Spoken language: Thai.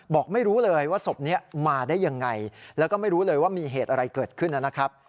บอกไม่รู้เลยว่าศพนี้มาได้ยังไงแล้วก็ไม่รู้เลยว่ามีเหตุอะไรเกิดขึ้นนะครับ